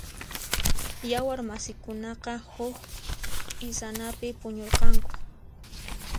Yawar masiykunaqa huk q'isanapi puñurqanku.